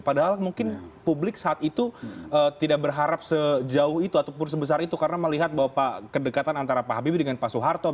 padahal mungkin publik saat itu tidak berharap sejauh itu ataupun sebesar itu karena melihat bahwa kedekatan antara pak habibie dengan pak soeharto